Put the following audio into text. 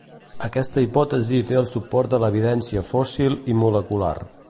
Aquesta hipòtesi té el suport de l'evidència fòssil i molecular.